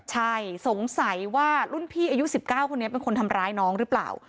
ใช่สงสัยว่ารุ่นพี่อายุ๑๙คนนี้เป็นคนทำร้ายน้องหรือเปล่า